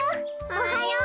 おはよう！